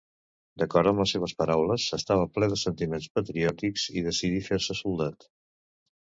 D'acord amb les seves paraules, estava ple de sentiments patriòtics i decidí fer-se soldat.